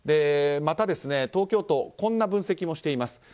また東京都こんな分析もしています。